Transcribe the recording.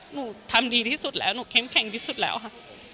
หนูทำดีที่สุดแล้วหนูเข้มแข็งที่สุดแล้วค่ะ